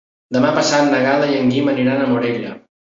Demà passat na Gal·la i en Guim aniran a Morella.